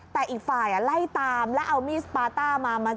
แต่อีกฝ่ายไล่ตามแล้วเอามีดสปาต้ามามา